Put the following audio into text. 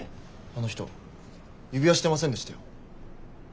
あの人指輪してませんでしたよ。